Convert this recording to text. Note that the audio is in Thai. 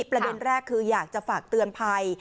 ประเด็นแรกคืออยากจะฝากเตือนภัย